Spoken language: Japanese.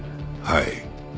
はい。